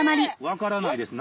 分からないです。